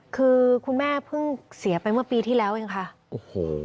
คือคุณแม่เพิ่งเสียไปเมื่อปีที่แล้วเองค่ะโอ้โห